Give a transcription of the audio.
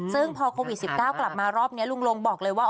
ซึ่งพอโควิด๑๙กลับมารอบนี้ลุงลงบอกเลยว่า